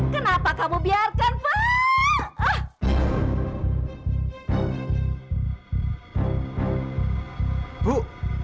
kenapa kamu biarkan pak